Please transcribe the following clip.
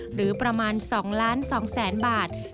หรือประมาณ๒ล้าน๒แสนบาท